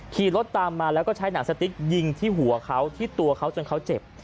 ขี่รถตามมาแล้วก็ใช้หนังสติ๊กยิงที่หัวเขาที่ตัวเขาจนเขาเจ็บ